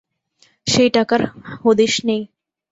সেই টাকার হদিস নেই।